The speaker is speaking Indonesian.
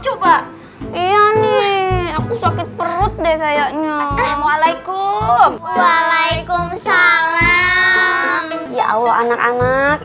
hai iya nih aku sakit perut deh kayaknya waalaikumsalam waalaikumsalam ya allah anak anak